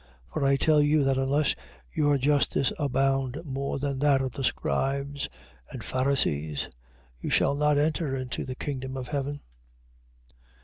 5:20. For I tell you, that unless your justice abound more than that of the scribes and Pharisees, you shall not enter into the kingdom of heaven.